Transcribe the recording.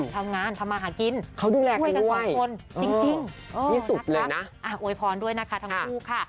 ทำงานทำมาหากินด้วยกันกับคนจริงทั้งคู่ค่ะ